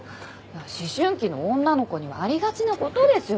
思春期の女の子にはありがちな事ですよ